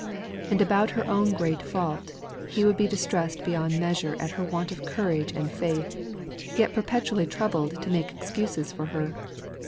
And about her own great fault he would be distressed beyond measure at her want of courage and faith, yet perpetually troubled to make excuses for her.